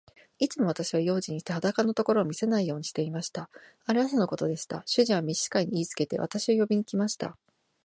いつも私は用心して、裸のところを見せないようにしていました。ある朝のことでした。主人は召使に言いつけて、私を呼びに来ました。